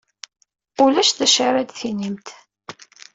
Ulac d acu ara d-tinimt.